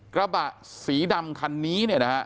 กระบะสีดำคันนี้เนี่ยนะฮะ